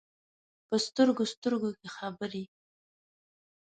په سترګو، سترګو کې خبرې ،